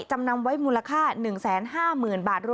จำนำไว้มูลค่า๑๕๐๐๐บาท